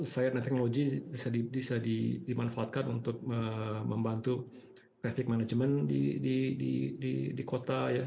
siren dan teknologi bisa dimanfaatkan untuk membantu traffic management di kota ya